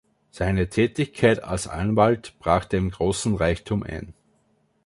Seine Tätigkeit als Anwalt brachte ihm großen Reichtum ein.